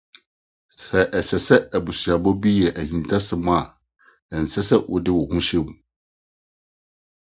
Sɛ ɛsɛ sɛ abusuabɔ bi yɛ ahintasɛm a, ɛnsɛ sɛ wode wo ho hyem.